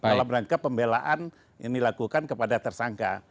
dalam rangka pembelaan yang dilakukan kepada tersangka